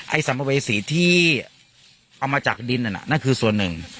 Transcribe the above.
สัมภเวษีที่เอามาจากดินนั่นน่ะนั่นคือส่วนหนึ่ง